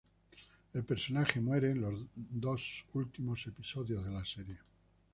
El personaje muere en los dos últimos episodios de la serie.